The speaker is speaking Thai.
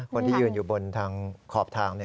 คนที่ยืนอยู่บนทางขอบทาง